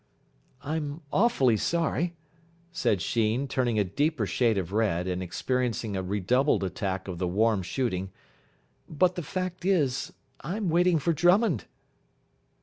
"I'm awfully sorry," said Sheen, turning a deeper shade of red and experiencing a redoubled attack of the warm shooting, "but the fact is, I'm waiting for Drummond."